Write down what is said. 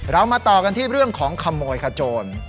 เรามาต่อกันที่เรื่องของขโมยขโจร